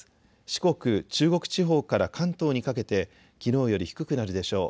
四国、中国地方から関東にかけてきのうより低くなるでしょう。